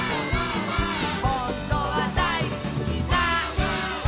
「ほんとはだいすきなんだ」